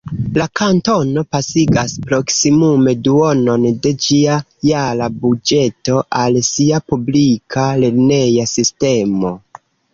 La kantono pasigas proksimume duonon de ĝia jara buĝeto al sia publika lerneja sistemo.